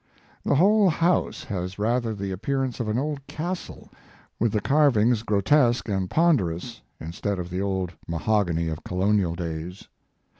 The whole house has rather the ap pearance of an old castle, with the carv ings grotesque and ponderous, Instead of the old mahogany of colonial days.